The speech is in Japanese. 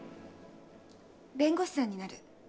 弁護士さんになる。